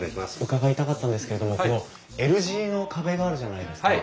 伺いたかったんですけれどもこのＬ字の壁があるじゃないですか。